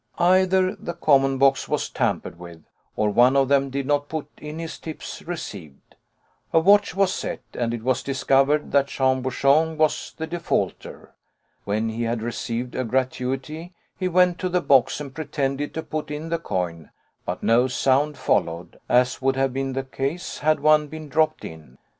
Either the common box was tampered with, or one of them did not put in his tips received. A watch was set, and it was discovered that Jean Bouchon was the defaulter. When he had received a gratuity, he went to the box, and pretended to put in the coin, but no sound followed, as would have been the case had one been dropped in.